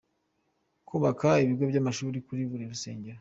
Kubaka ibigo by’amashuri kuri buri rusengero.